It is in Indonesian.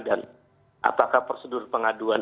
dan apakah prosedur pengaduan